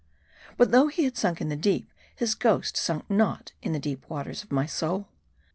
But though he had sunk in the deep, his ghost sunk not in the deep waters of my soul.